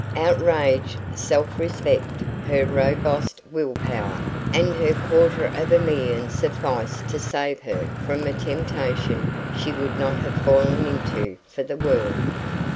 Outraged self respect, her robust will power, and her quarter of a million sufficed to save her from a temptation she would not have fallen into for the world.